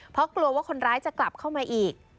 เพราะกลัวว่าคนร้ายจะกลับเข้ามาอีก